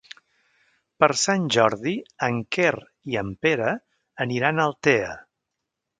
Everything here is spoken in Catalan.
Per Sant Jordi en Quer i en Pere aniran a Altea.